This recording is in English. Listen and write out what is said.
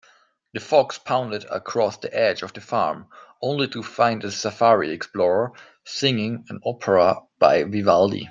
The fox pounced across the edge of the farm, only to find a safari explorer singing an opera by Vivaldi.